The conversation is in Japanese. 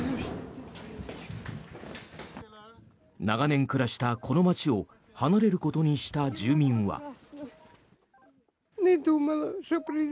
長年暮らしたこの街を離れることにした住民は。